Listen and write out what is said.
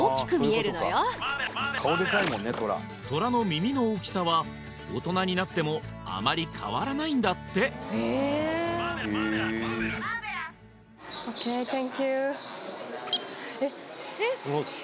まだトラの耳の大きさは大人になってもあまり変わらないんだってＯＫサンキューえっ！